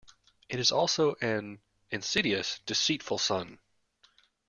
It is also an insidious, deceitful sun.